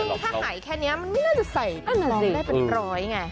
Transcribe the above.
ซึ่งถ้าหายแค่นี้มันไม่น่าจะใส่รองได้เป็นร้อยไง